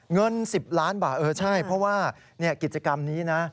เงิน๑๐ล้านบาทเออใช่เพราะว่ากิจกรรมนี้นะ